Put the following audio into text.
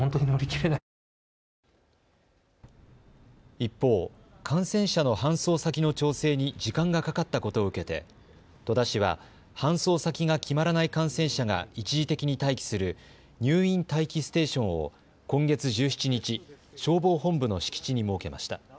一方、感染者の搬送先の調整に時間がかかったことを受けて戸田市は搬送先が決まらない感染者が一時的に待機する入院待機ステーションを今月１７日、消防本部の敷地に設けました。